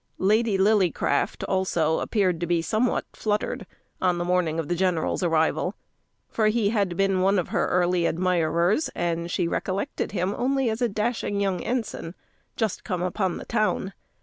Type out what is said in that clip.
Lady Lillycraft, also, appeared to be somewhat fluttered, on the morning of the general's arrival, for he had been one of her early admirers; and she recollected him only as a dashing young ensign, just come upon the town.